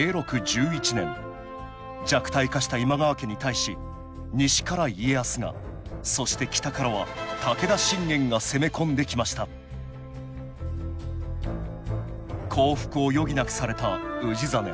弱体化した今川家に対し西から家康がそして北からは武田信玄が攻め込んできました降伏を余儀なくされた氏真。